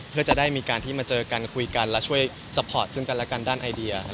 เพื่อจะได้มีการที่มาเจอกันคุยกันและช่วยซัพพอร์ตซึ่งกันและกันด้านไอเดีย